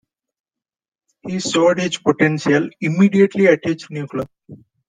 He showed his potential immediately at his new club.